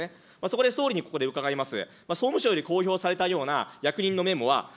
そこで総理にここで伺います。